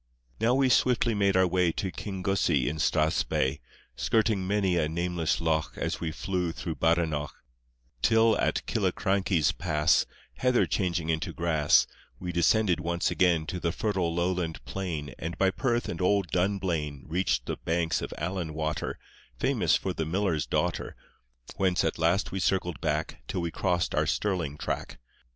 Now we swiftly made our way To Kingussie in Strathspey, Skirting many a nameless loch As we flew through Badenoch, Till at Killiecrankie's Pass, Heather changing into grass We descended once again To the fertile lowland plain, And by Perth and old Dunblane Reached the banks of Allan Water, Famous for the miller's daughter, Whence at last we circled back Till we crossed our Stirling track.